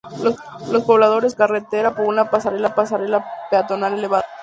Los pobladores cruzan la carretera por una pasarela peatonal elevada.